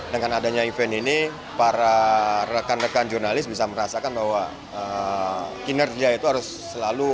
dengan adanya event ini para rekan rekan jurnalis bisa merasakan bahwa kinerja itu harus selalu